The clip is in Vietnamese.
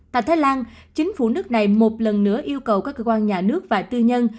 tại thái lan chính phủ nước này một lần nữa yêu cầu các cơ quan nhà nước và tư nhân